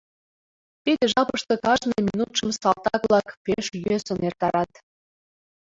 Тиде жапыште кажне минутшым салтак-влак пеш йӧсын эртарат.